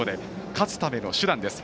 勝つための手段です。